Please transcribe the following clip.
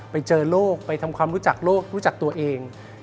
ไปเจอโลกไปทำความรู้จักโลกรู้จักตัวเอง